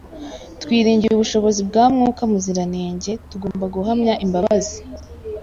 Twiringiye ubushobozi bwa Mwuka Muziranenge, tugomba guhamya imbabazi,